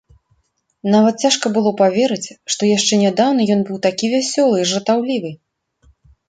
Нават цяжка было паверыць, што яшчэ нядаўна ён быў такі вясёлы і жартаўлівы.